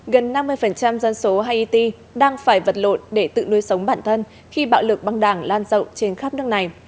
gần năm mươi dân số haiti đang phải vật lộn để tự nuôi sống bản thân khi bạo lực băng đảng lan rộng trên khắp nước này